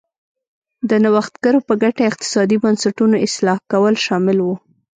د نوښتګرو په ګټه اقتصادي بنسټونو اصلاح کول شامل و.